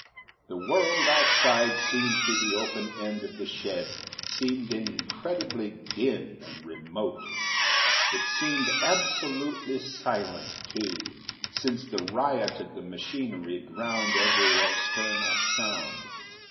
The world outside seen through the open end of the shed seemed incredibly dim and remote. It seemed absolutely silent, too, since the riot of the machinery drowned every external sound.